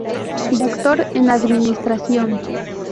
Doctor en Administración.